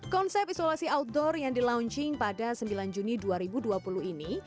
konsep isolasi outdoor yang di launching pada sembilan juni dua ribu dua puluh ini